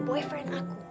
udah jadi boyfriend aku